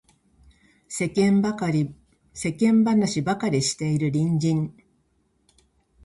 世間話ばかりしている隣人